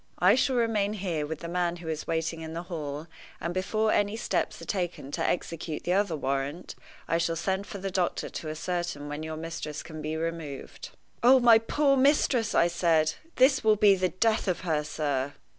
I shall remain here with the man who is waiting in the hall; and before any steps are taken to execute the other warrant, I shall send for the doctor to ascertain when your mistress can be removed." "Oh, my poor mistress!" I said, "this will be the death of her, sir."